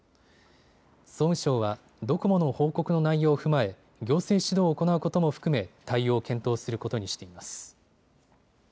総務省はドコモの報告の内容を踏まえ行政指導を行うことも含め対応を検討することにしています。